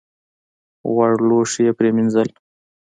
غوړ لوښي یې پرېمینځل .